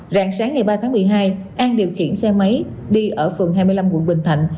rạng sáng ngày ba tháng một mươi hai an điều khiển xe máy đi ở phường hai mươi năm quận bình thạnh